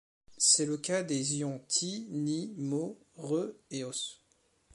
C'est le cas des ions Ti, Ni, Mo, Re, et Os.